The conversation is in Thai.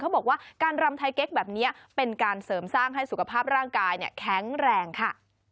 บอกว่าการรำไทยเก๊กแบบนี้เป็นการเสริมสร้างให้สุขภาพร่างกายแข็งแรงค่ะ